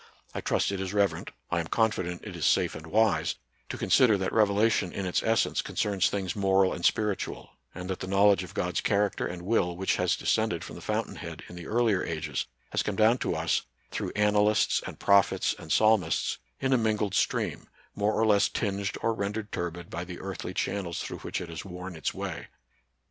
I trust it is reverent, I am confident it is safe and wise, to consider that revelation in its essence concerns things moral and spiritual ; and that the knowledge of God's character and will which has descended from the fountain head in the earlier ages has come down to us, through annalists and prophets and psalmists, in a mingled stream, more or less tinged or ren dered turbid by the earthly channels through which it has worn its way.